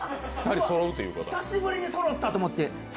久しぶりにそろったと思って。